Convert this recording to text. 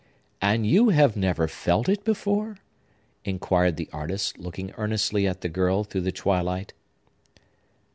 "And you have never felt it before?" inquired the artist, looking earnestly at the girl through the twilight.